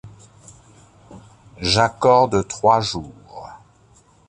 J’accorde trois jours.